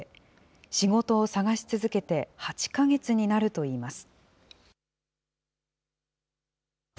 仕事を探し続けて８か月になるといいます。